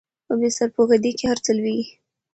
په بې سرپوښه ديګ کې هر څه لوېږي